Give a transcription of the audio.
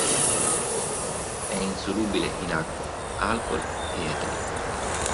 È insolubile in acqua, alcol e etere.